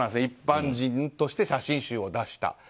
一般人として写真集を出した。